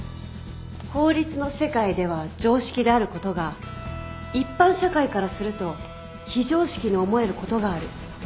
法律の世界では常識であることが一般社会からすると非常識に思えることがある。